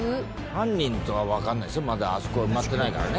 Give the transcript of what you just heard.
犯人とはわからないですよまだあそこ埋まってないからね